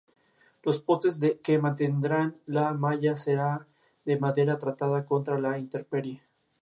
Falleció en el hospital de Ingolstadt por una embolia pulmonar.